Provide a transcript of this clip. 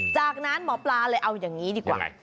จากนั้นหมอปลาเลยเอาอย่างนี้ดีกว่า